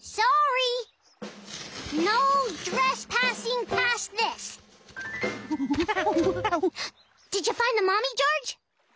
そうか。